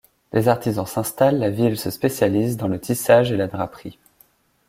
Des artisans s’installent, la ville se spécialise dans le tissage et la draperie.